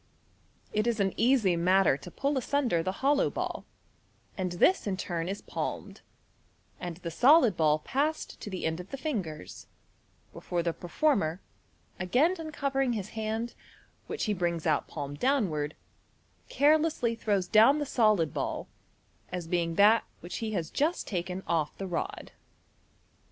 It is an easy matter to pull asunder the hollow ball, and this in turn is palmed, and the solid ball passed to the end of the fingers, before the performer, again uncovering his hand, which he brings out palm downward, carelessly throws down the solid ball, as being that which he has just taken off the rod.